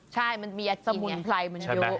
ใช่มันมียาจีนเนี่ยสมุนไพรมันเยอะค่ะ